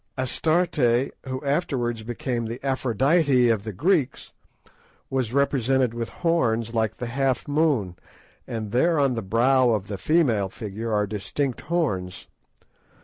Astarte, who afterwards became the Aphrodite of the Greeks, was represented with horns like the half moon, and there on the brow of the female figure are distinct horns.